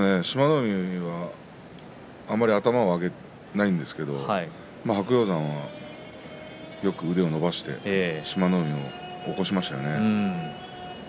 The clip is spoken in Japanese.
海は、あまり頭を上げないんですけれど白鷹山がよく腕を伸ばして志摩ノ海を起こしましたね。